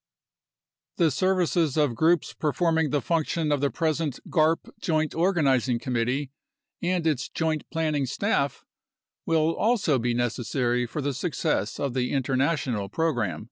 The services of groups performing the function of the present garp Joint Organizing Committee and its Joint Planning Staff will also be necessary for the success of the international program.